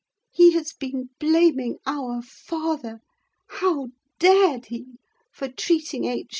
He has been blaming our father (how dared he?) for treating H.